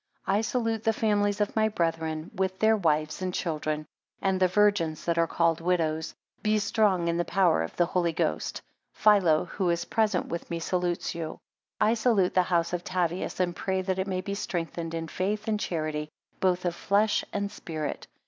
24 I salute the families of my brethren, with their wives and children; and the virgins that are called widows. Be strong in the power of the Holy Ghost. Philo, who is present with me salutes you. 25 I salute the house of Tavias, and pray that it may be strengthened in faith and charity, both of flesh and spirit.